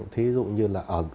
thí dụ như là